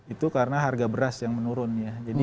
itu karena harga beras yang menurun ya